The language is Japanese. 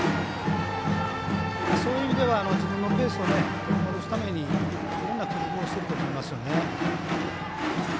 そういう意味では自分のペースを戻すためにいろんな工夫をしてると思います。